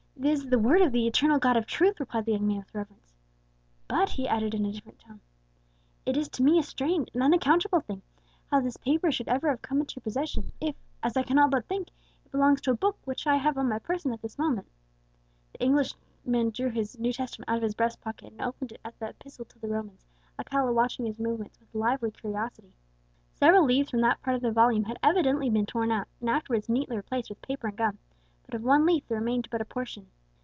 "This is the Word of the Eternal God of Truth," replied the young man with reverence. "But," he added in a different tone, "it is to me a strange, an unaccountable thing, how this paper should ever have come into your possession, if as I cannot but think it belongs to a book which I have on my person at this moment." The Englishman drew his New Testament out of his breast pocket, and opened it at the Epistle to the Romans, Alcala watching his movements with lively curiosity. Several leaves from that part of the volume had evidently been torn out, and afterwards neatly replaced with paper and gum; but of one leaf there remained but a portion.